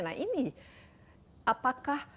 nah ini apakah